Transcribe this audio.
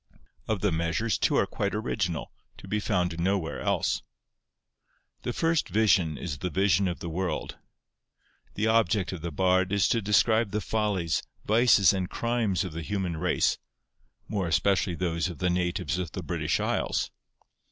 Of the measures, two are quite original, to be found nowhere else. The first vision is the Vision of the World. The object of the Bard is to describe the follies, vices, and crimes of the human race, more especially those of the natives of the British Isles.